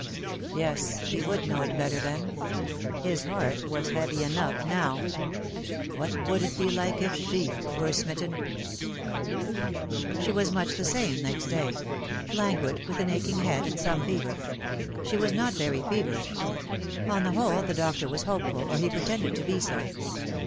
Yes, he would know it better then. His heart was heavy enough now. What would it be like if ske were smitten ? She was much the same next day : languid, with an aching head and some fever. She was not very feverish. On the whole, the doctor was hopeful, or he pretended to be so.